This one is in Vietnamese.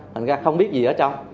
thành ra không biết gì ở trong